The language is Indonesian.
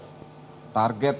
di mana tersangka tj